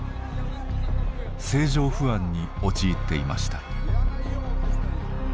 政情不安に陥っていました。